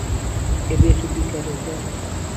گه بێتو بمکەی ڕزگار